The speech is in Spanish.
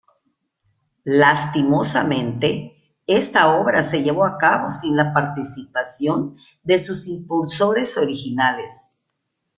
Lastimosamente, esta obra se llevó a cabo sin la participación de sus impulsores originales.